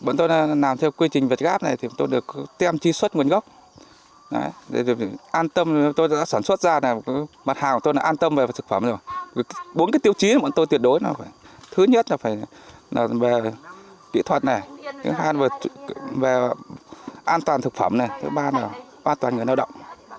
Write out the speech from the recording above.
bốn tiêu chí của chúng tôi tuyệt đối thứ nhất là về kỹ thuật thứ hai là về an toàn thực phẩm thứ ba là an toàn người lao động